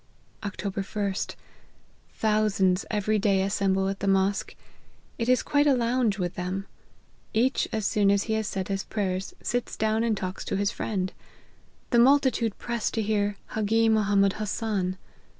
" Oct. ls. Thousands every day assemble at the mosque ; it is quite a lounge with them. Each, as soon as he has said his prayers, sits down and talks to his friend. The multitude press to hear Hagi Mohammed Hasan.